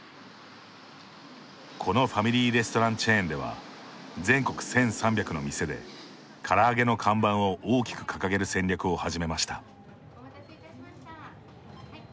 このファミリーレストランチェーンでは全国１，３００の店でから揚げの看板を大きく掲げる戦略を始めました。